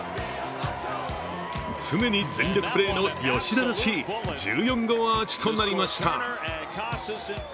常に全力プレーの吉田らしい１４号アーチとなりました。